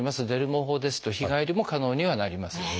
デルモ法ですと日帰りも可能にはなります。